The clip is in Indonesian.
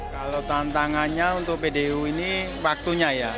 kalau tantangannya untuk pdu ini waktunya ya